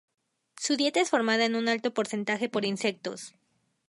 Su dieta es formada en un alto porcentaje por insectos.